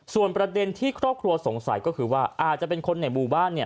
ส่วนประเด็นที่ครอบครัวสงสัยก็คือว่าอาจจะเป็นคนในหมู่บ้าน